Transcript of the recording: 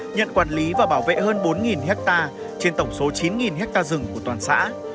nhận quản lý và bảo vệ hơn bốn ha trên tổng số chín ha rừng của toàn xã